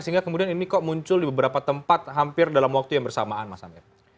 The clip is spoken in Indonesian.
sehingga kemudian ini kok muncul di beberapa tempat hampir dalam waktu yang bersamaan mas amir